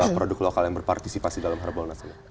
produk lokal yang berpartisipasi dalam harbolnas ini